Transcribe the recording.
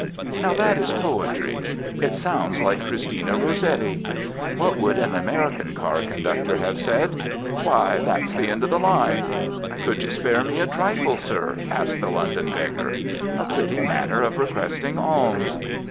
Now that is poetry. It sounds like Christina Rossetti. What would an American car conductor have said? "Why, that's the end of the line." "Could you spare me a trifle, sir?" asks the London beggar. A pretty manner of requesting alms.